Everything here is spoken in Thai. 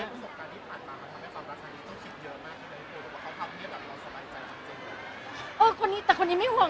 ไม่ซักทีพันผ่อนมาก็เพิ่มให้ตำรักไนต้องคิดเยอะมากเลย